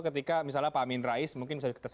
ketika misalnya pak amin rais mungkin bisa